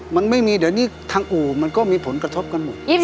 มันไม่มีเดี๋ยวนี้ทางอู่มันก็มีผลกระทบกันหมด